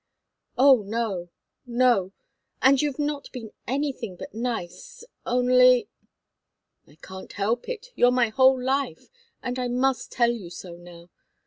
"Oh, no no and you've not been anything but nice only " "I can't help it you're my whole life, and I must tell you so now.